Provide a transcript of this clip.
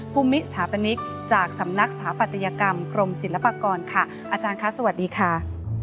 ภูมิสถาปนิกจากสำนักสถาปัตยกรรมกรมศิลปากรค่ะอาจารย์คะสวัสดีค่ะ